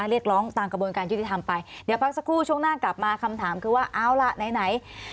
เรียกร้องตามกระบวนการยุติธรรมไปเดี๋ยวพักสักครู่ช่วงหน้ากลับมาคำถามคือว่าเอาล่ะไหน